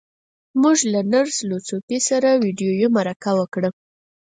موږ له نرس لو ځو پي سره ويډيويي مرکه وکړه.